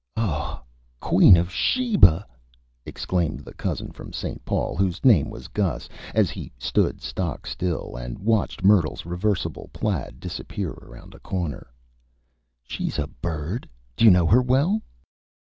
"Oh, Queen of Sheba!" exclaimed the Cousin from St. Paul, whose name was Gus, as he stood stock still, and watched Myrtle's Reversible Plaid disappear around a Corner. "She's a Bird, Do you know her well?"